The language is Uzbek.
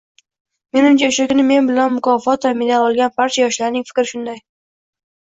Menimcha, oʻsha kuni men bilan mukofot va medal olgan barcha yoshlarning fikri shunday.